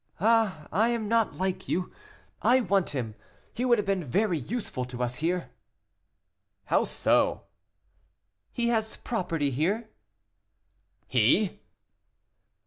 "Ah, I am not like you I want him; he would have been very useful to us here." "How so?" "He has property here." "He!"